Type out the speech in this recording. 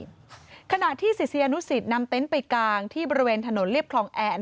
ไฟฟ้าที่ศิษย์ยานุศิษย์นำเต้นไปกลางที่บริเวณถนนเรียบคลองแอล